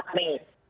pada empat mei